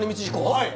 はい！